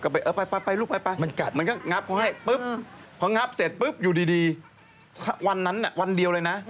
ไปลูกไป